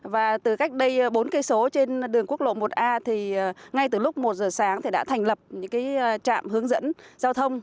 và từ cách đây bốn cây số trên đường quốc lộ một a thì ngay từ lúc một giờ sáng thì đã thành lập những trạm hướng dẫn giao thông